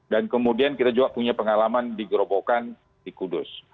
dan kemudian kita juga punya pengalaman di gerobokan di kudus